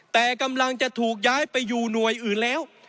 แต่กำลังจะถูกย้ายไปอยู่หน่วยอื่นแล้ว